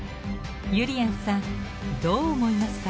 ゆりやんさんどう思いますか？